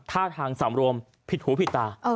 ท่าทางสำรวมผิดหูผิดตา